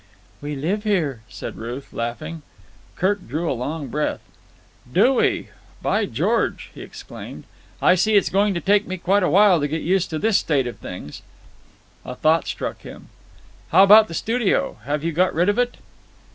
"We live here," said Ruth, laughing. Kirk drew a long breath. "Do we? By George!" he exclaimed. "I see it's going to take me quite a while to get used to this state of things." A thought struck him. "How about the studio? Have you got rid of it?"